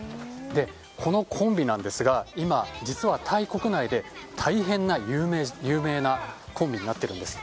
このコンビですが今、実はタイ国内で大変な有名なコンビになっているんです。